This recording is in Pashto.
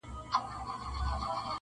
د خدای کار وو هلکان دواړه لویان سوه.